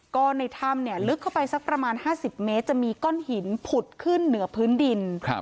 ก็ในถ้ำเนี่ยลึกเข้าไปสักประมาณ๕๐เมตรจะมีก้อนหินผุดขึ้นเหนือพื้นดิน